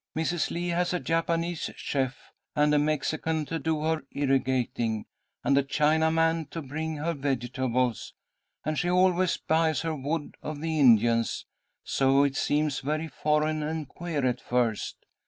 Mrs. Lee has a Japanese chef, and a Mexican to do her irrigating, and a Chinaman to bring her vegetables, and she always buys her wood of the Indians, so it seems very foreign and queer at first.